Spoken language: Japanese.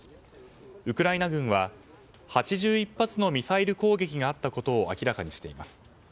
ウクライナ軍は８１発のミサイル攻撃があったことを明らかにしています。